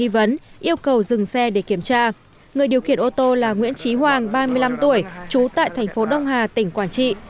yêu cầu dừng xe để kiểm tra người điều khiển ô tô là nguyễn trí hoàng ba mươi năm tuổi trú tại thành phố đông hà tỉnh quảng trị